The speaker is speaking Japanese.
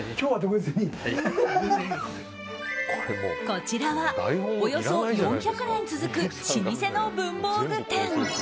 こちらは、およそ４００年続く老舗の文房具店。